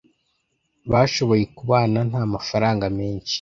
Bashoboye kubana nta mafaranga menshi.